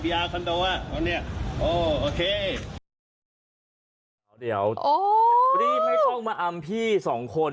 พี่อาคันโดวะเอาเนี้ยโอ้โอเคเดี๋ยวโอ้รีบให้เข้ามาอำพี่สองคน